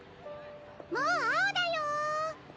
もう青だよ！